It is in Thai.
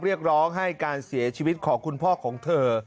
เรียกร้องให้การเสียชีวิตของคุณพ่อของเธอ